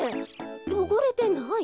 よごれてない。